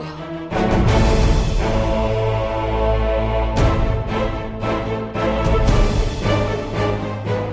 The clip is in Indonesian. aku akan menangkapmu